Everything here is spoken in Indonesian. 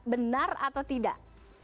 benar atau tidak